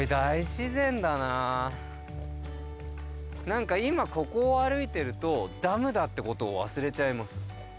何か今ここを歩いてるとダムってことを忘れちゃいます。